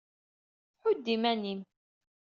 Ḥudd iman-im!